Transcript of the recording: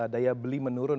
daya beli menurun